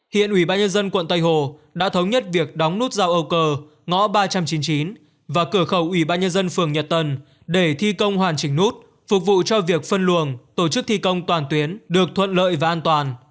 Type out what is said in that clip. hiện ubnd quận tây hồ đã thống nhất việc đóng nút giao âu cờ ngõ ba trăm chín mươi chín và cửa khẩu ubnd phường nhật tân để thi công hoàn chỉnh nút phục vụ cho việc phân luồng tổ chức thi công toàn tuyến được thuận lợi và an toàn